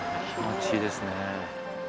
気持ちいいですね。